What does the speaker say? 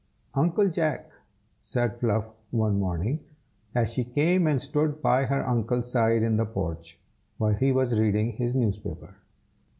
"UNCLE JACK!" said Fluff, one morning, as she came and stood by her uncle's side in the porch, while he was reading his newspaper.